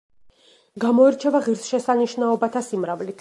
გამოირჩევა ღირსშესანიშნაობათა სიმრავლით.